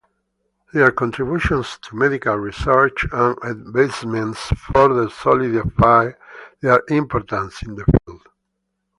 Their contributions to medical research and advancements further solidify their importance in the field.